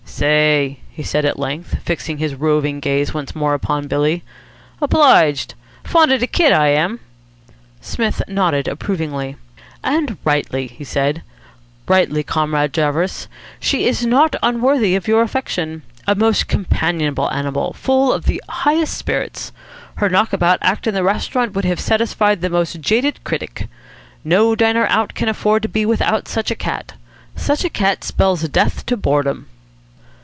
"Say!" he said at length, fixing his roving gaze once more upon Billy. "Obliged. Fond of de kit, I am." Psmith nodded approvingly. "And rightly," he said. "Rightly, Comrade Jarvis. She is not unworthy of your affection. A most companionable animal, full of the highest spirits. Her knockabout act in the restaurant would have satisfied the most jaded critic. No diner out can afford to be without such a cat. Such a cat spells death to boredom."